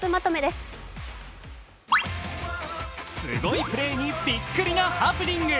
すごいプレーにビックリなハプニング。